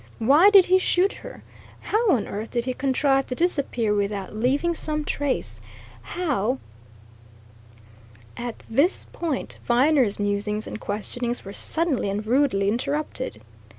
Why did he shoot her? How on earth did he contrive to disappear without leaving some trace? How " At this point Viner's musings and questionings were suddenly and rudely interrupted.